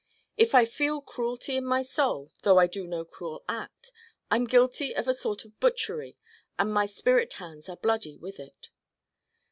If I feel cruelty in my Soul though I do no cruel act I'm guilty of a sort of butchery and my spirit hands are bloody with it.